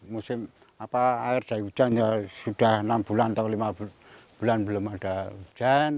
musim air dari hujan sudah enam bulan atau lima bulan belum ada hujan